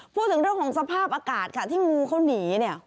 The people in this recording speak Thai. พูดถึงเรื่องของสภาพอากาศค่ะที่งูเขาหนีเนี่ย